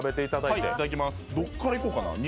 どっからいこうかな、肉。